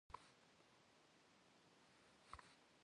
Vui 'eşşxılhe nebdzıf'eme, vunef' yapxhu khıuatınş.